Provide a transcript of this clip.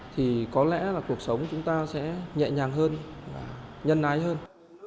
thì có lẽ là cuộc sống chúng ta sẽ nhẹ nhàng hơn nhân ái hơn